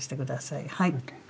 はい。